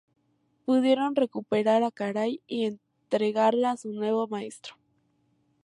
Pudieron recuperar a Karai y entregarla a su nuevo maestro.